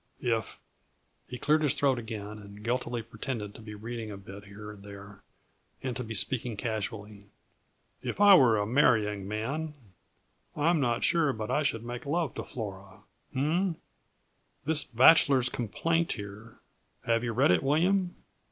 If " He cleared his throat again and guiltily pretended to be reading a bit, here and there, and to be speaking casually. "If I were a marrying man, I am not sure but I should make love to Flora h m m! this 'Bachelor's Complaint' here have you read it, William?